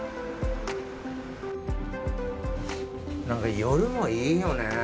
何か夜もいいよね